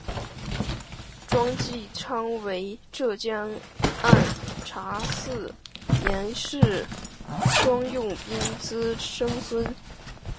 庄际昌为浙江按察司佥事庄用宾之曾孙。